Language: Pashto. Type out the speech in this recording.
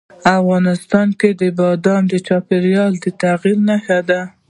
افغانستان کې بادام د چاپېریال د تغیر نښه ده.